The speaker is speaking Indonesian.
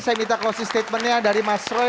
saya minta closing statementnya dari mas roy